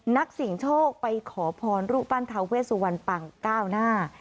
นักสิ่งโชคไปขอพรรณรุปันทะเวสุวรรณปัง๙หน้า